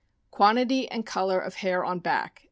Quantity and color of hair on back.